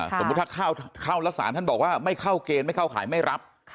สมมุติถ้าเข้าแล้วสารท่านบอกว่าไม่เข้าเกณฑ์ไม่เข้าข่ายไม่รับ